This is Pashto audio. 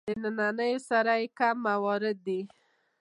د نننیو سره یې کم موارد دي.